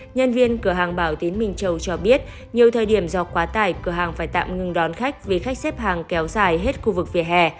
nhân viên cửa hàng bảo tín minh châu cho biết nhiều thời điểm do quá tải cửa hàng phải tạm ngừng đón khách vì khách xếp hàng kéo dài hết khu vực vỉa hè